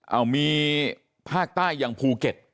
เอามีภาคใต้อย่างภูเก็ต